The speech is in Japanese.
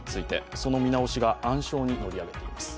その見直しが暗礁に乗り上げています。